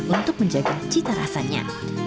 untuk menjaga cita rasanya